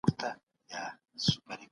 هغه وویل چي ژوندپوهنه د پوهې یو شین بڼ دی.